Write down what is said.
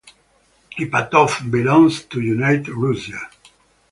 Ipatov belongs to United Russia.